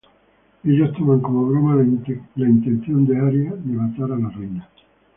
Ellos toman como broma la intención de Arya de matar a la Reina.